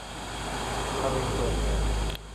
กะเม็งตัวเมีย